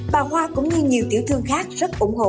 bà hoa cũng như nhiều tiểu thương khác rất ủng hộ